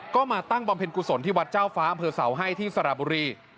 ก็มาตั้งบำเพ็ญกุศลที่วัดเจ้าฟ้าอำเภอเสาให้ที่สระบุรี